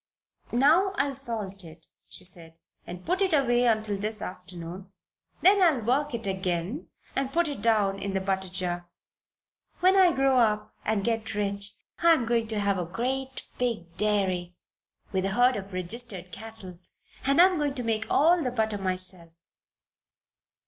"Now I'll salt it," she said; "and put it away until this afternoon, and then I'll work it again and put it down in the butter jar. When I grow up and get rich I am going to have a great, big dairy; with a herd of registered cattle, and I'm going to make all the butter myself."